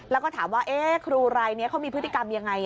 แล้วก็ถามว่าครูรายนี้เขามีพฤติกรรมยังไง